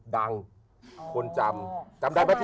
มันจะดัง